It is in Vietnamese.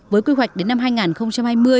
với kế hoạch đến năm hai nghìn hai mươi